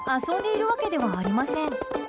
遊んでいるわけではありません。